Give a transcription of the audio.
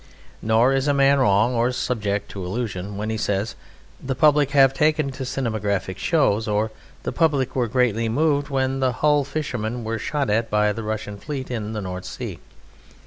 Nor is a man wrong or subject to illusion when he says, "The public have taken to cinematograph shows," or "The public were greatly moved when the Hull fishermen were shot at by the Russian fleet in the North Sea."